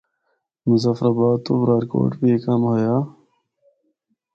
مظفرآباد تو برارکوٹ بھی اے کم ہویا۔